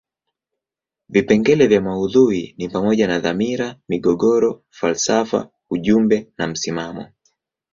Vipengele vya maudhui ni pamoja na dhamira, migogoro, falsafa ujumbe na msimamo.